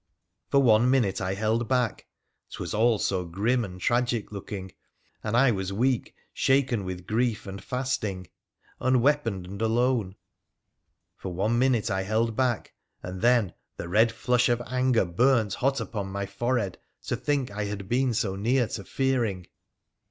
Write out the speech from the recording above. For one minute I held back— 'twas all so grim and tragic looking, and I was weak, shaken with grief and fasting, unweaponed and alone — for one minute I held back, and then the red flush of anger burnt hot upon my forehead to think I had been so near to fearing.